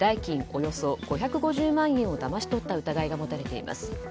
およそ５５０万円をだまし取った疑いが持たれています。